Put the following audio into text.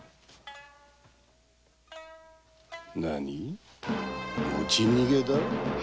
なに持ち逃げだ！？